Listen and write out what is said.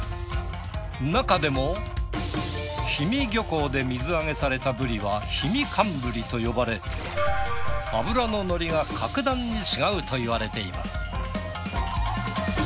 なかでも氷見漁港で水揚げされたブリは氷見寒ブリと呼ばれ脂のノリが格段に違うといわれています。